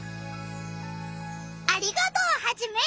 ありがとうハジメ！